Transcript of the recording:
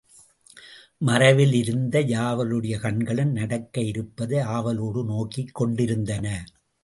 மறைவிலிருந்த யாவருடைய கண்களும் நடக்க இருப்பதை ஆவலோடு நோக்கிக் கொண்டிருந்தன.